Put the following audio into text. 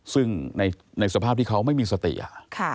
ซึ่งในสภาพที่เขาไม่มีสติอ่ะ